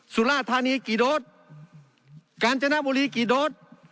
สุราธานีกี่โดสกาญจนบุรีกี่โดส